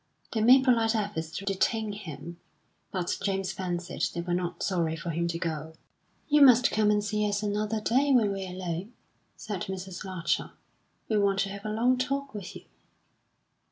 They made polite efforts to detain him, but James fancied they were not sorry for him to go. "You must come and see us another day when we're alone," said Mrs. Larcher. "We want to have a long talk with you."